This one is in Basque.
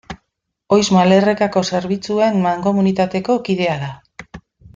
Oiz Malerrekako Zerbitzuen Mankomunitateko kidea da.